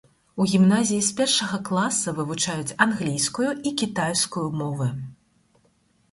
У гімназіі з першага класа вывучаюць англійскую і кітайскую мовы.